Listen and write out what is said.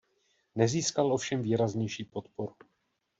Nezískal ovšem výraznější podporu.